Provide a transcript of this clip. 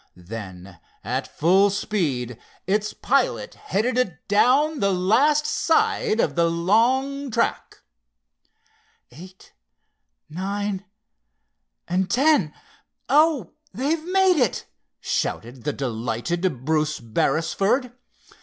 Then at full speed its pilot headed it down the last side of the long track. "Eight, nine and ten—oh, they've made it!" shouted the delighted Bruce Beresford.